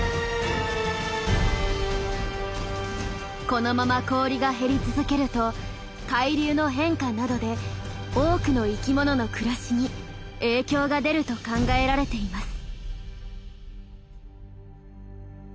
このまま氷が減り続けると海流の変化などで多くの生きものの暮らしに影響が出ると考えられています。